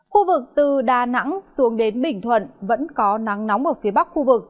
khu vực từ đà nẵng xuống đến bình thuận vẫn có nắng nóng ở phía bắc khu vực